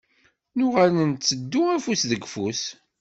Nuɣal ntteddu afus deg ufus.